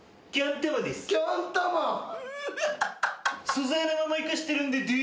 素材のまま生かしてるんでどうぞ。